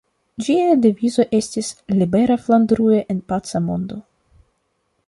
Ĝia devizo estis "Libera Flandrujo en paca mondo".